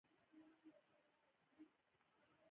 نصاب څنګه جوړیږي؟